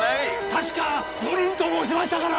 確かおりんと申しましたかな。